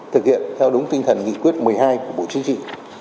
thực hiện theo đúng tinh thần nghị quyết một mươi hai của bộ chính trị